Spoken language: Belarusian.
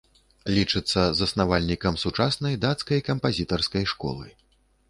Лічыцца заснавальнікам сучаснай дацкай кампазітарскай школы.